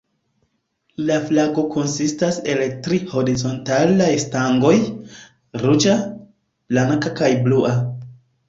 La flago konsistas el tri horizontalaj stangoj: ruĝa, blanka kaj blua.